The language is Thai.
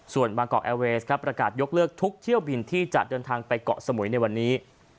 ส่วนบางกอกแอร์เรสครับประกาศยกเลิกทุกเที่ยวบินที่จะเดินทางไปเกาะสมุยในวันนี้